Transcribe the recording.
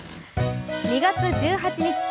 ２月１８日